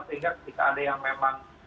sehingga ketika ada yang memang